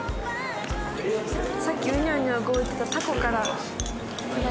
さっきウニョウニョ動いてたタコからいただきます